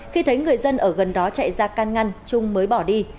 khi thấy người dân ở gần đó chạy ra can ngăn trung mới bỏ đi